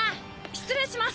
失礼します。